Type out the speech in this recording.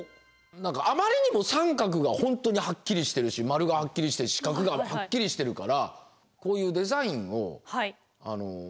何かあまりにも三角が本当にはっきりしてるし丸がはっきりして四角がくっきりしてるからこういうデザインをあの楽しんだ。